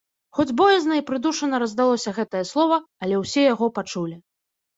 Хоць боязна і прыдушана раздалося гэтае слова, але ўсе яго пачулі.